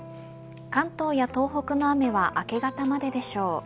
関東や東北の雨は明け方まででしょう。